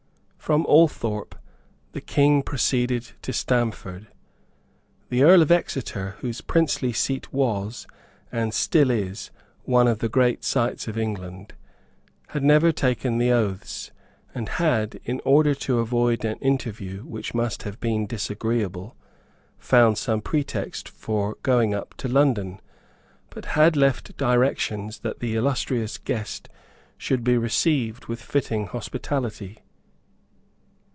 From Althorpe the King proceeded to Stamford. The Earl of Exeter, whose princely seat was, and still is, one of the great sights of England, had never taken the oaths, and had, in order to avoid an interview which must have been disagreeable, found some pretext for going up to London, but had left directions that the illustrious guest should be received with fitting hospitality.